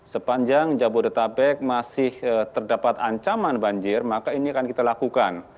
sepanjang jabodetabek masih terdapat ancaman banjir maka ini akan kita lakukan